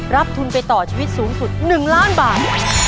รับทุนไปต่อชีวิตสูงสุด๑ล้านบาท